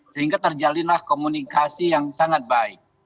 sehingga terjalinlah komunikasi yang sangat baik